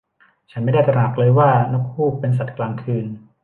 ฉันไม่ได้ตระหนักเลยว่านกฮูกเป็นสัตว์กลางคืน